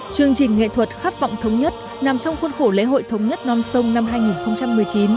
chương trình nghệ thuật khát vọng thống nhất nằm trong khuôn khổ lễ hội thống nhất non sông năm hai nghìn một mươi chín